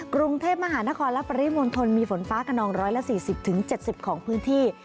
กรุงเทพมหานครและปริมณฑลมีฝนฟ้าขนอง๑๔๐๗๐ของพื้นที่